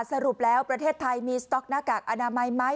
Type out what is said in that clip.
สรุปแล้วประเทศไทยมีสต๊อกหน้ากากอนามัยไหม